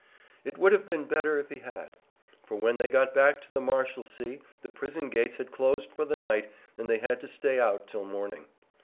It would have been better if he had. For when they got back to the Marshalsea the prison gates had closed for the night and they had to stay out till morning.